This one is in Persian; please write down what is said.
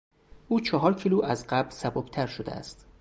او چهار کیلو از قبل سبکتر شده است.